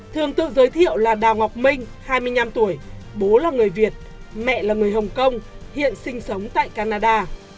thường tự giới thiệu là đào ngọc minh hai mươi năm tuổi bố là người việt mẹ là người hồng kông hiện sinh sống tại canada